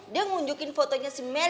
dia ngunjukin foto yang dia ambil